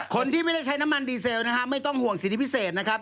คนที่ไม่ได้ใช้น้ำมันดีเซลนะฮะไม่ต้องห่วงสิทธิพิเศษนะครับ